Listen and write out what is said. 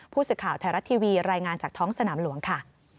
ผู้สื่อข่าวไทยรัฐทีวีรายงานจากท้องสนามหลวงค่ะ